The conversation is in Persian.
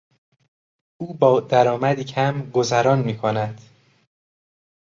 او با درآمدی کم گذران میکند.